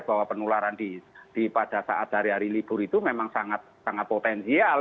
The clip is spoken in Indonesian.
bahwa penularan pada saat hari hari libur itu memang sangat potensial